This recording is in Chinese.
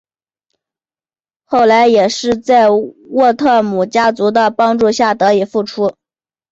后来也是在沃特姆家族的帮助下得以复出。